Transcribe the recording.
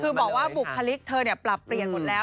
คือบอกว่าบุคลิกเธอปรับเปลี่ยนหมดแล้ว